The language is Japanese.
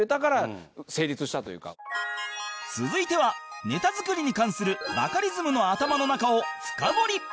続いてはネタ作りに関するバカリズムの頭の中を深掘り